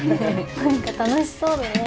何か楽しそうだね。